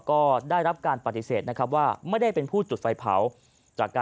ก็ได้รับการปฏิเสธนะครับว่าไม่ได้เป็นผู้จุดไฟเผาจากการ